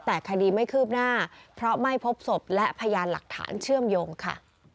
แต่คดีไม่คืบหน้าเพราะไม่พบศพและพยานหลักฐานเชื่อมโยงค่ะ